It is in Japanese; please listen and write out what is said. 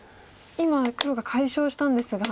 今黒が解消したんですが。